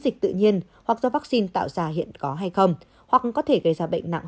dịch tự nhiên hoặc do vaccine tạo ra hiện có hay không hoặc có thể gây ra bệnh nặng